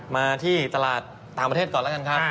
มาที่ตลาดต่างประเทศก่อนแล้วกันครับ